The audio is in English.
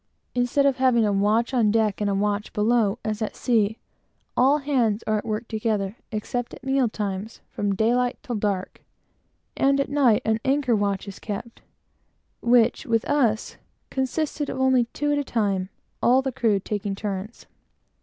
Instead of having a watch on deck and a watch below, as at sea, all hands are at work together, except at meal times, from daylight till dark; and at night an "anchor watch" is kept, which consists of only two at a time; the whole crew taking turns.